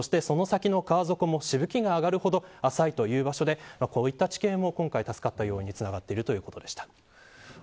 川底もしぶきが上がるほど浅いという場所でこういった地形も助かった要因につながっているということでした。